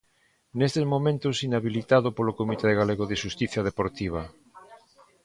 Nestes momentos inhabilitado polo comité galego de xustiza deportiva.